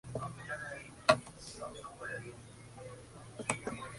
Esto resulta en sendos perfiles evolutivos con ciertas similitudes.